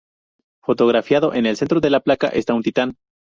Fotografiado en el centro de la placa está un titán.